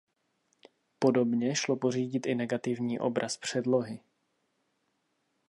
Podobně šlo pořídit i negativní obraz předlohy.